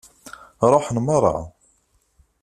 Ṛuḥen meṛṛa.